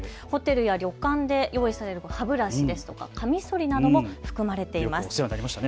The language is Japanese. ホテルや旅館で用意される歯ブラシですとかカミソリなども含まれています。